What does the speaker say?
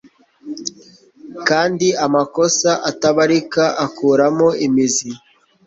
kandi amakosa atabarika akuramo imizi